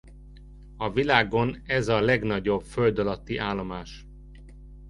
A világon ez a legnagyobb föld alatti állomás.